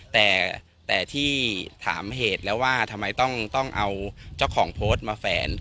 แต่ที่ถามเหตุแล้วว่าทำไมต้องเอาเจ้าของโพสต์มาแฝน